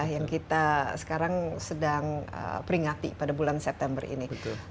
yang kita sekarang sedang peringati pada bulan september ini